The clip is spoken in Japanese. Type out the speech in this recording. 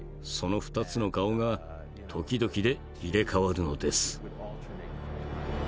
その２つの顔が時々で入れ代わるのです。